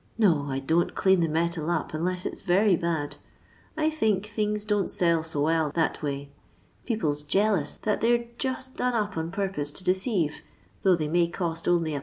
No, I don't clean the metal up unless it 's very bad ; I think things don't sell so well that way. People 's jealous that they 're just done up on purpose to deceive, though they may cost only 1^.